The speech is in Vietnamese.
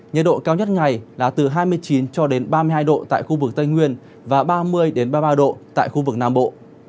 nhiệt độ cao nhất ngày là từ hai mươi chín cho đến ba mươi hai độ tại khu vực tây nguyên và ba mươi ba mươi ba độ tại khu vực nam bộ